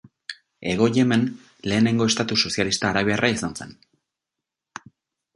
Hego Yemen lehenengo estatu sozialista arabiarra izan zen.